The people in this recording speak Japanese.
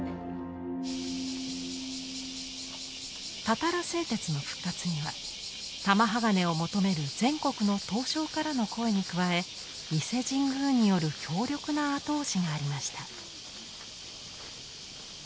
たたら製鉄の復活には玉鋼を求める全国の刀匠からの声に加え伊勢神宮による強力な後押しがありました。